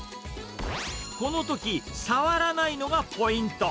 このとき、触らないのがポイント。